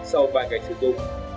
sau vài ngày sử dụng